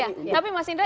tapi mas indra